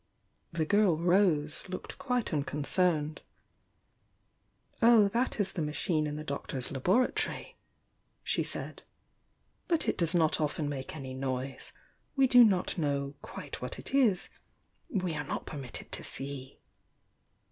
The girl Rose looked quite un concerned. "Oh, that is the machine in the Doctor's labora tory," she said. "But it does not often make any noise. We do not know quite what it is, — we are not permitted to see!"